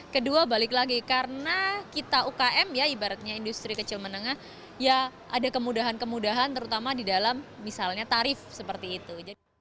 kedua balik lagi karena kita ukm ya ibaratnya industri kecil menengah ya ada kemudahan kemudahan terutama di dalam misalnya tarif seperti itu